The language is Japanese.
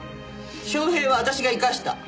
昌平は私が生かした。